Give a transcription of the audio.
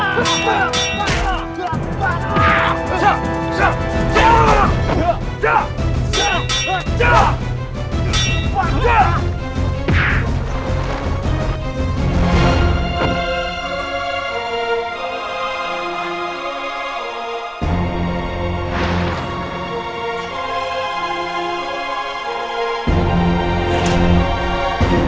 semoga terus login